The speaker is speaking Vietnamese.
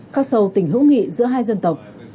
khắc sâu tình hữu nghị giữa hai dân tộc